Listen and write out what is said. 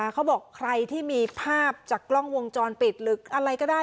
เขาบอกใครที่มีภาพจากกล้องวงจรปิดหรืออะไรก็ได้